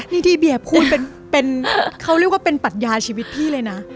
นี่ที่เบียร์พูดเป็นเขาเรียกว่าเป็นปัดยาชีวิตพี่เลยนะ